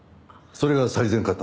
それが最善かと。